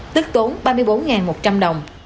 tức tốn ba mươi bốn một trăm linh đồng